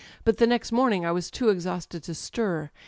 But the next morning I was too exhausted to stir.